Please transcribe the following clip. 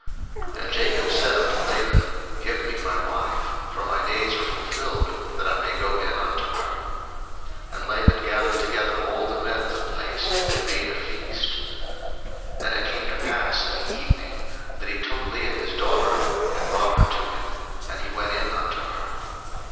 01:029:021 And Jacob said unto Laban, Give me my wife, for my days are fulfilled, that I may go in unto her. 01:029:022 And Laban gathered together all the men of the place, and made a feast. 01:029:023 And it came to pass in the evening, that he took Leah his daughter, and brought her to him; and he went in unto her.